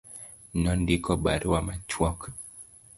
Nondiko barua machuok.